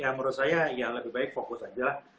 ya menurut saya ya lebih baik fokus aja